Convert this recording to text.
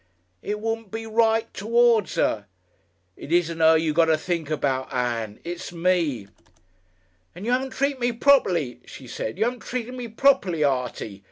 "It wouldn't be right towards Her." "It isn't Her you got to think about, Ann. It's me." "And you 'aven't treated me properly," she said. "You 'aven't treated me properly, Artie.